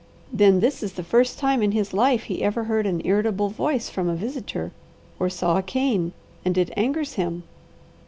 Then this is the first time in his life he ever heard an irritable voice from a visitor or saw a cane, and it angers him.